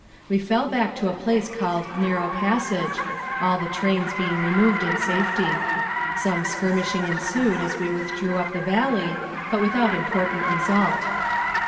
We fell back to a place called Narrow Passage, all the trains being removed in safety. Some skirmishing ensued as we withdrew up the Valley, but without important result.